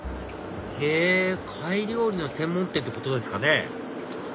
へぇ貝料理の専門店ってことですかね